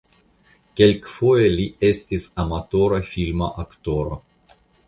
Kelkfoje li estis amatora filma aktoro.